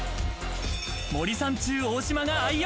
森三中・大島が愛用！